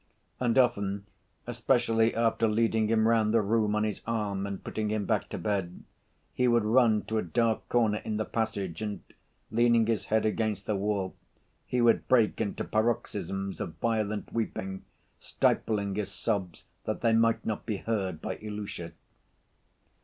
And often, especially after leading him round the room on his arm and putting him back to bed, he would run to a dark corner in the passage and, leaning his head against the wall, he would break into paroxysms of violent weeping, stifling his sobs that they might not be heard by Ilusha.